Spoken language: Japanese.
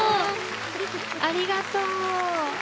ありがとう。